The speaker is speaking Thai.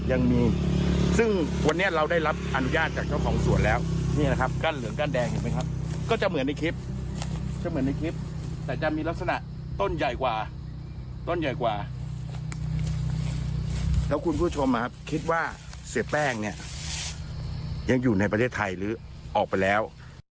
ยังมีซึ่งวันนี้เราได้รับอนุญาตจากเจ้าของสวนแล้วนี่นะครับกั้นเหลืองกั้นแดงเห็นไหมครับก็จะเหมือนในคลิปจะเหมือนในคลิปแต่จะมีลักษณะต้นใหญ่กว่าต้นใหญ่กว่าแล้วคุณผู้ชมคิดว่าเสียแป้งเนี่ยยังอยู่ในประเทศไทยหรือออกไปแล้ว